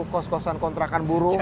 kos kosan kontrakan buruh